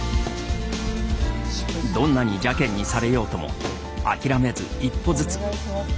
どんなに邪けんにされようとも諦めず一歩ずつ。